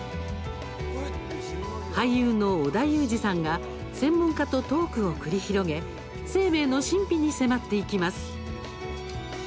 俳優の織田裕二さんが専門家とトークを繰り広げ生命の神秘に迫っていきます。